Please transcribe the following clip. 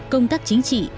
công tác chính trị